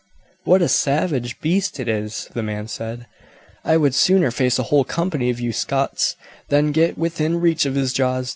"What a savage beast it is!" the man said; "I would sooner face a whole company of you Scots than get within reach of his jaws.